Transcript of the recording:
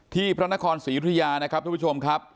พระนครศรียุธยานะครับทุกผู้ชมครับ